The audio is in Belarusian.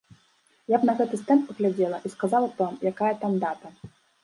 Я б на гэты стэнд паглядзела, і сказала б вам, якая там дата.